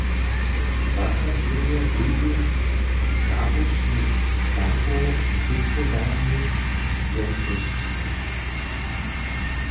- zasadźenje wulkich naručnych klankow w pěstowarni, jendźelšćina